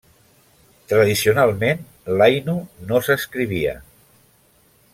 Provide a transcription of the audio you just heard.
Tradicionalment, l'ainu no s'escrivia.